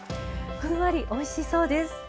ふんわり、おいしそうです！